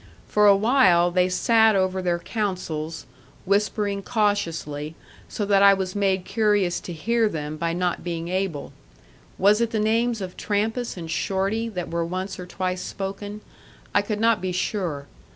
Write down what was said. For a while they sat over their councils, whispering cautiously, so that I was made curious to hear them by not being able; was it the names of Trampas and Shorty that were once or twice spoken I could not be sure.